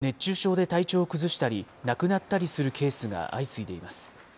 連日の暑さで熱中症で体調を崩したり、亡くなったりするケースが相次いでいます。